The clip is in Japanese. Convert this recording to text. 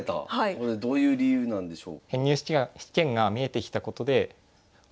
これどういう理由なんでしょう？